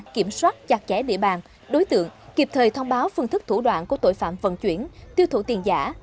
kiểm soát chặt chẽ địa bàn đối tượng kịp thời thông báo phương thức thủ đoạn của tội phạm vận chuyển tiêu thụ tiền giả